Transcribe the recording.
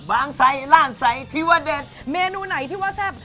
บางไซด์ล่านไซด์ที่ว่าเด็ดเมนูไหนที่ว่าแซ่บ